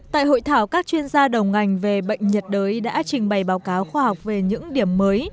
tại hội thảo các chuyên gia đầu ngành về bệnh nhiệt đới đã trình bày báo cáo khoa học về những điểm mới